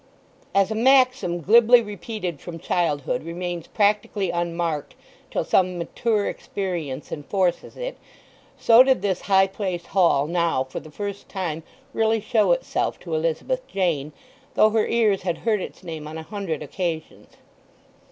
As a maxim glibly repeated from childhood remains practically unmarked till some mature experience enforces it, so did this High Place Hall now for the first time really show itself to Elizabeth Jane, though her ears had heard its name on a hundred occasions.